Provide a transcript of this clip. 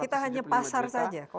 kita hanya pasar saja